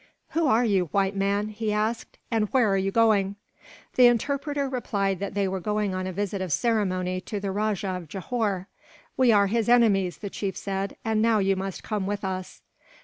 "Who are you, white man?" he asked, "and where are you going?" The interpreter replied that they were going on a visit of ceremony to the Rajah of Johore. "We are his enemies," the chief said, "and now you must come with us."